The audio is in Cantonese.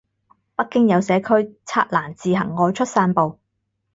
北京有社區拆欄自行外出散步